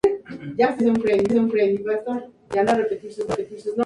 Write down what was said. Fue alumno directo de Física del profesor Hans Kuhn.